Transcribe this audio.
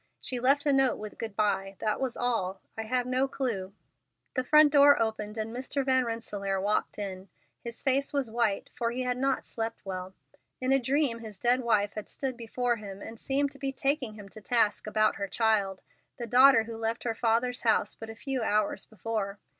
"She left a note with good by. That was all. I have no clue." The front door opened, and Mr. Van Rensselaer walked in. His face was white, for he had not slept well. In a dream his dead wife had stood before him and seemed to be taking him to task about her child, the daughter who left her father's house but a few hours before.